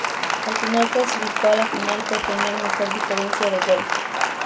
Al final clasificó a la final por tener mejor diferencia de gol.